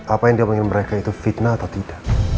apa yang dia panggil mereka itu fitnah atau tidak